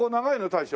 大将。